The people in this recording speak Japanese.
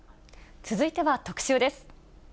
続いては特集です。